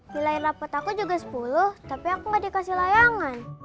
nilai rapat aku juga sepuluh tapi aku gak dikasih layangan